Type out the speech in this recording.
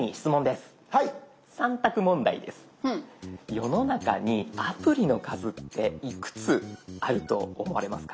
世の中にアプリの数っていくつあると思われますか？